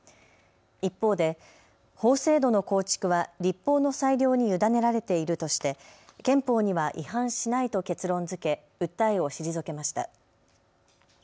一方で法制度の構築は立法の裁量に委ねられているとして憲法には違反しないと結論づけ、訴えを退けました。